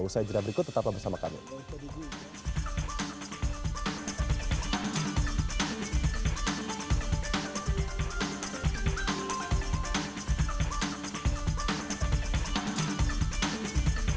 usai jerat berikut tetap bersama kami